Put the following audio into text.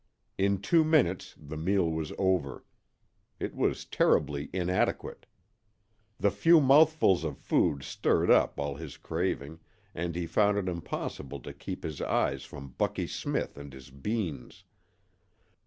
In two minutes the meal was over. It was terribly inadequate. The few mouthfuls of food stirred up all his craving, and he found it impossible to keep his eyes from Bucky Smith and his beans.